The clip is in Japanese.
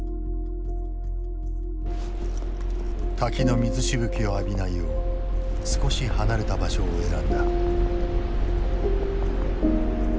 滝の水しぶきを浴びないよう少し離れた場所を選んだ。